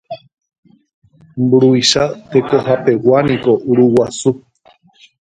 Mburuvicha tekohapeguániko Uruguasu